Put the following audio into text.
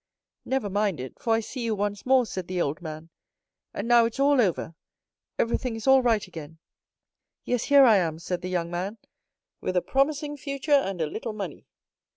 "Never mind it, for I see you once more," said the old man; "and now it's all over—everything is all right again." 0035m "Yes, here I am," said the young man, "with a promising future and a little money.